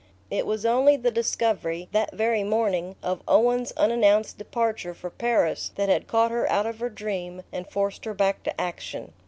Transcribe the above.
It was only the discovery that very morning of Owen's unannounced departure for Paris that had caught her out of her dream and forced her back to action.